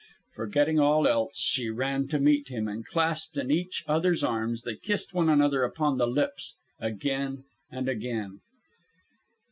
Forgetting all else, she ran to meet him, and, clasped in each other's arms, they kissed one another upon the lips again and again.